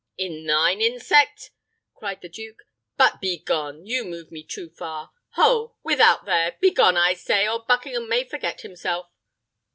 "In thine, insect!" cried the duke. "But begone! you move me too far. Ho! without there! Begone, I say, or Buckingham may forget himself!"